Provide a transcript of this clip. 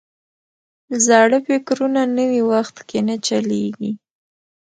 زاړه فکرونه نوي وخت کې نه چلیږي.